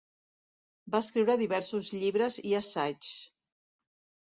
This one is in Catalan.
Va escriure diversos llibres i assaigs.